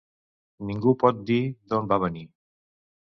Ningú pot dir d'on va venir.